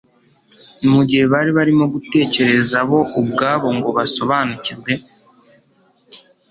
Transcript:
Mu gihe bari barimo gutekereza bo ubwabo ngo basobanukirwe,